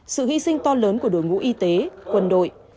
sự hy sinh to lớn của đội ngũ y tế quân đội